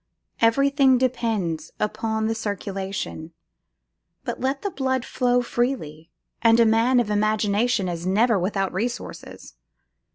Everything depends upon the circulation. Let but the blood flow freely, and a man of imagination is never without resources.